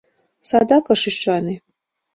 Садак ыш ӱшане.